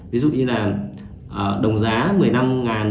ví dụ như thế này